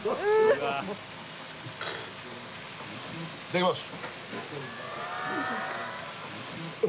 いただきます